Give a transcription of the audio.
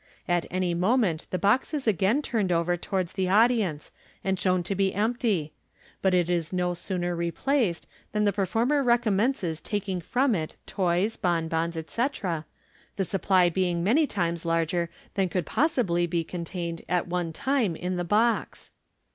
At any moment the box is again turned over towards the audience, and shown to be empty ; but it is no sooner re placed, than the performer recommences taking from it toys, bonbons, 39* MODERN MAGIC. etc., the supply being many times larger than could possibly be con tained at one time in the box.